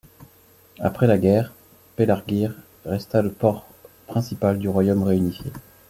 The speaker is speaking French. Après la guerre, Pelargir resta le port principal du Royaume réunifié.